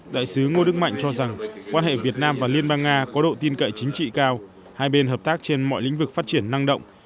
đại sứ ngô đức mạnh cho rằng quan hệ việt nam và liên bang nga có độ tin cậy chính trị cao hai bên hợp tác trên mọi lĩnh vực phát triển năng động